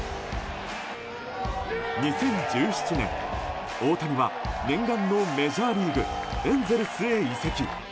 ２０１７年、大谷は念願のメジャーリーグエンゼルスへ移籍。